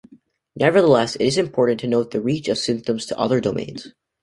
Nevertheless, it is important to note the reach of symptoms to other domains.